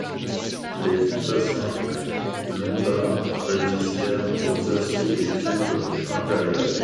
Les fantassins lombards résistèrent aux assauts des troupes impériales.